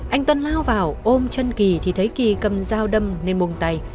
anh tuân lao vào ôm chân ki thì thấy ki cầm dao đâm lên mông tay